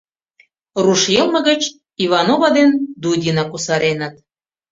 Руш йылме гыч ИВАНОВА ден ДУДИНА кусареныт